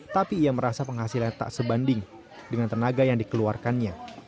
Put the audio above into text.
tapi ia merasa penghasilan tak sebanding dengan tenaga yang dikeluarkannya